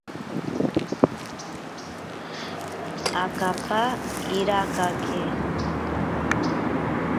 Akapa irakake.